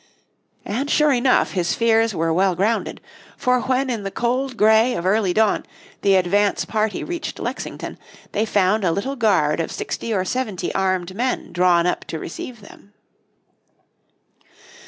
And sure enough, his fears were well founded, for when in the cold grey of early dawn the advance party reached Lexington, they found a little guard of sixty or seventy armed men drawn up to receive them.